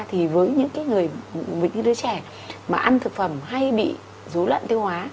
thì với những đứa trẻ mà ăn thực phẩm hay bị dối loạn tiêu hóa